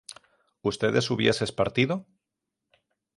¿Ustedes hubieses partido?